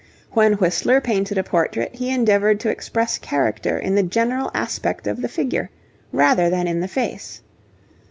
When Whistler painted a portrait he endeavoured to express character in the general aspect of the figure, rather than in the face.